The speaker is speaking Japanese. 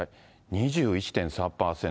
２１．３％。